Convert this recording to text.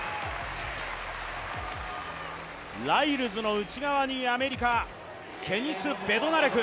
ライルズの内側にアメリカ、ケニス・ベドナレク。